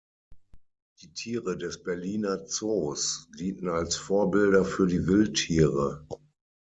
Die Tiere des Berliner Zoos dienten als Vorbilder für die Wildtiere.